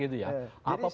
jadi sangat tidak putih